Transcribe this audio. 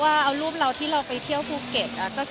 ว่าเอารูปเราที่เราไปเที่ยวภูเก็ต